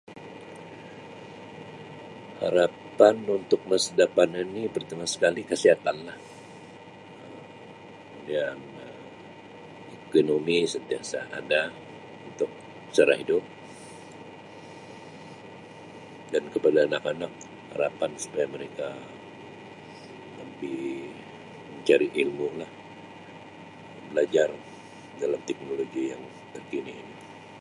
Harapan untuk masa dapan ani pertama sekali kesihatanlah Um kemudian Um ekonomi sentiasa ada untuk sara hidup dan kepada anak-anak harapan supaya mereka lebih mencari ilmu lah belajar dalam teknologi yang terkini ini.